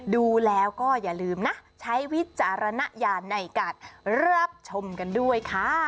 ดูแล้วก็อย่าลืมนะใช้วิจารณญาณในการรับชมกันด้วยค่ะ